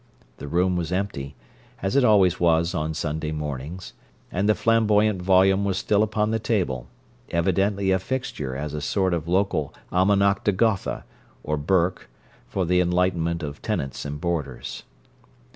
The room was empty, as it always was on Sunday mornings, and the flamboyant volume was still upon the table—evidently a fixture as a sort of local Almanach de Gotha, or Burke, for the enlightenment of tenants and boarders.